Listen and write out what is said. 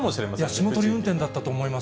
霜取り運転だったと思います。